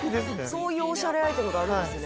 そういうオシャレアイテムがあるんですね